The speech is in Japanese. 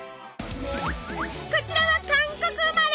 こちらは韓国生まれ。